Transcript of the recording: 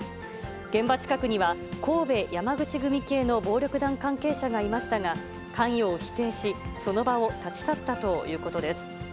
現場近くには、神戸山口組系の暴力団関係者がいましたが、関与を否定し、その場を立ち去ったということです。